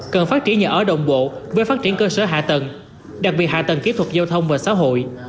cần phát triển nhà ở đồng bộ với phát triển cơ sở hạ tầng đặc biệt hạ tầng kỹ thuật giao thông và xã hội